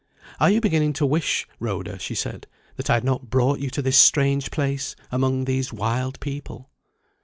"Are you beginning to wish, Rhoda," she said, "that I had not brought you to this strange place, among these wild people?"